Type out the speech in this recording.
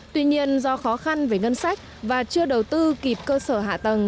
tuy nhiên do khó khăn về ngân sách và chưa đầu tư kịp cơ sở hạ tầng